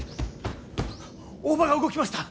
大庭が動きました。